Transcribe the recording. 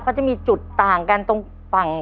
เขาจะมีจุดต่างกันตรงฝั่ง